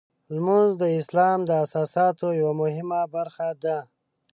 لمونځ د اسلام د اساساتو یوه مهمه برخه ده.